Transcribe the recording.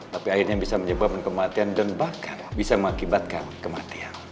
tapi akhirnya bisa menyebabkan kematian dan bahkan bisa mengakibatkan kematian